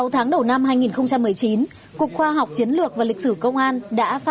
sáu tháng đầu năm hai nghìn một mươi chín cục khoa học chiến lược và lịch sử công an đã phá